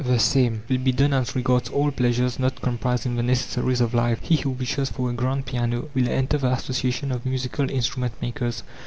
The same will be done as regards all pleasures not comprised in the necessaries of life. He who wishes for a grand piano will enter the association of musical instrument makers.